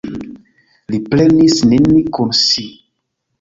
Li prenis nin kun si.